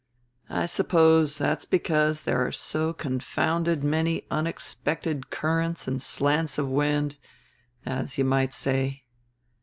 I suppose that's because there are so confounded many unexpected currents and slants of wind, as you might say.